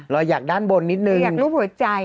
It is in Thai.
รอยหยักด้านบนนิดนึงรอยหยักรูปหัวใจ